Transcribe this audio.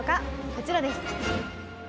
こちらです。